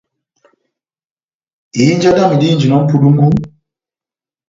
Ihinja dámi dihinjinɔ ó mʼpudungu,